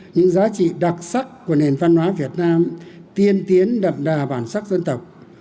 những giá trị đặc sắc của nền văn hóa việt nam tiên tiến đậm đà bản sắc dân tộc